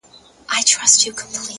زه به همدغه سي شعرونه ليكم _